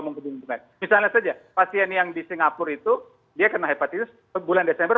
menguntungkan misalnya saja pasien yang di singapura itu dia kena hepatitis bulan desember